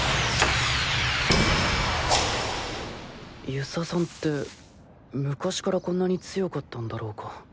遊佐さんて昔からこんなに強かったんだろうか。